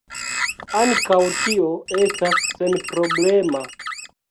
Ankaŭ tio estas senproblema.